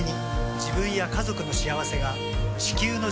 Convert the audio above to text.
自分や家族の幸せが地球の幸せにつながっている。